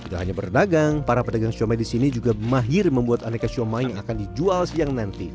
sudah hanya berdagang para pedagang shumai di sini juga mahir membuat aneka shumai yang akan dijual sejak tahun ini